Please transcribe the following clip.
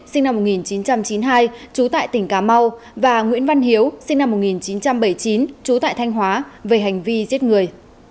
sinh năm một nghìn chín trăm chín mươi hai trú tại tỉnh cà mau và nguyễn văn hiếu sinh năm một nghìn chín trăm bảy mươi chín trú tại thanh hóa về hành vi giết người